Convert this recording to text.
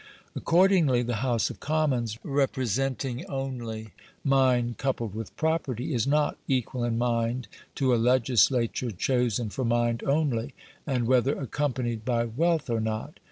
Accordingly the House of Commons, representing only mind coupled with property, is not equal in mind to a legislature chosen for mind only, and whether accompanied by wealth or not.